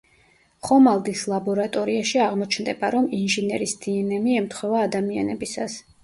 ხომალდის ლაბორატორიაში აღმოჩნდება, რომ ინჟინერის დნმ ემთხვევა ადამიანებისას.